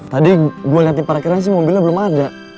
tadi gue liatin pada akhirannya sih mobilnya belum ada